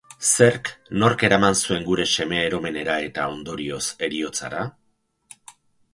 Zerk, nork eraman zuen gure semea eromenera eta, ondorioz, heriotzara?